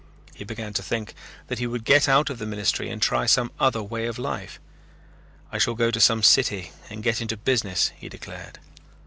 He began to think that he would get out of the ministry and try some other way of life. "I shall go to some city and get into business," he declared.